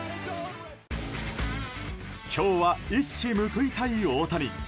今日は一矢報いたい大谷。